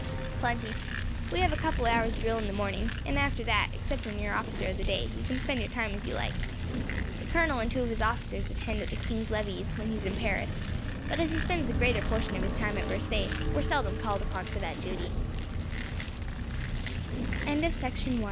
"Plenty. We have a couple of hours' drill in the morning, and after that, except when you are officer of the day, you can spend your time as you like. The colonel and two of his officers attend at the king's levees, when he is in Paris, but, as he spends the greater portion of his time at Versailles, we are seldom called upon for that duty."